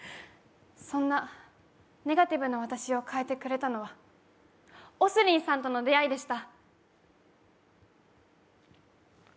そんなネガティブな私を変えてくれたのは、ＯＳＲＩＮさんとの出会いでした。